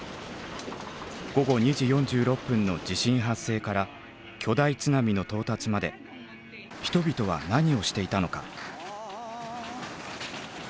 午後２時４６分の地震発生から巨大津波の到達まで人々は何をしていたのか？